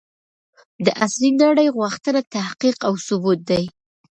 د عصري نړۍ غوښتنه تحقيق او ثبوت دی.